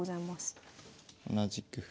で同じく歩。